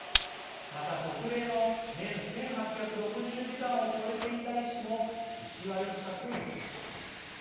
また特例の年１８６０時間を超えていた医師も１割近くいました。